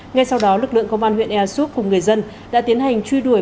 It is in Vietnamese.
ngay sau đó lực lượng công an huyện ersup cùng người dân đã tiến hành truy đuổi